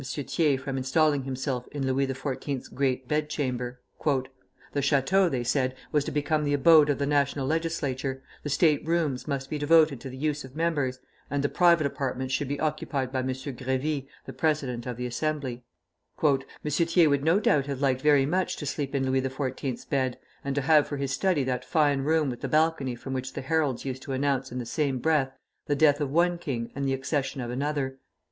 Thiers from installing himself in Louis XIV.'s great bedchamber. "The Château," they said, "was to become the abode of the National Legislature, the state rooms must be devoted to the use of members, and the private apartments should be occupied by M. Grévy, the president of the Assembly." "M. Thiers would no doubt have liked very much to sleep in Louis XIV's bed, and to have for his study that fine room with the balcony from which the heralds used to announce in the same breath the death of one king and the accession of another.